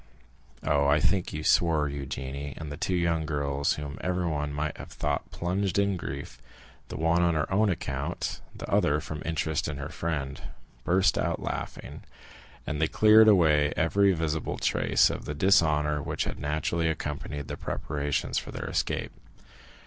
_" "Oh, I think you swore, Eugénie." And the two young girls, whom everyone might have thought plunged in grief, the one on her own account, the other from interest in her friend, burst out laughing, as they cleared away every visible trace of the disorder which had naturally accompanied the preparations for their escape.